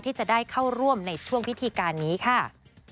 ที่จะได้เข้าร่วมในช่วงพิธีการนี้ค่ะ